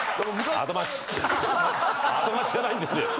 『アド街』じゃないんですよ。